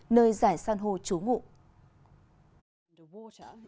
nơi giải san hô trú ngụ